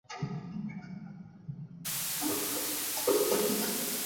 The unit has been repainted completely black, with Prairie Rail Solutions lettering and logos.